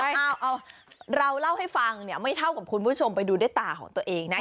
เอาเราเล่าให้ฟังเนี่ยไม่เท่ากับคุณผู้ชมไปดูด้วยตาของตัวเองนะ